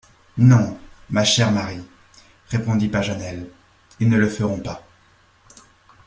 Non, ma chère Mary, répondit Paganel, ils ne le feront pas.